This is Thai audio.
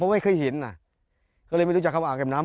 ไม่เคยเห็นอ่ะก็เลยไม่รู้จักคำว่าอ่างเก็บน้ำ